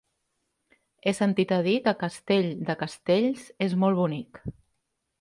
He sentit a dir que Castell de Castells és molt bonic.